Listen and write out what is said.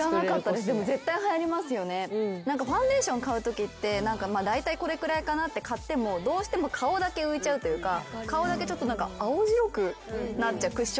ファンデーション買うときってだいたいこれくらいかなって買ってもどうしても顔だけ浮いちゃうというか顔だけ青白くなっちゃうクッションファンデとかって。